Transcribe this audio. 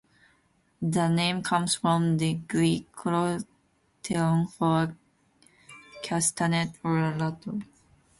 The name comes from the Greek "crotalon", for a castanet or rattle.